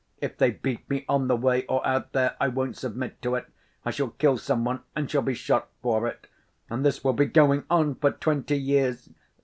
"If they beat me on the way or out there, I won't submit to it. I shall kill some one, and shall be shot for it. And this will be going on for twenty years!